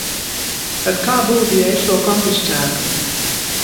Tad kā būtu, ja es to konfiscētu?